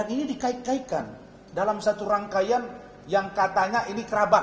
ini dikait kaitkan dalam satu rangkaian yang katanya ini kerabat